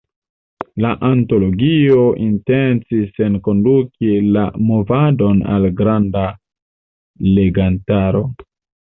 La antologio intencis enkonduki la movadon al granda legantaro.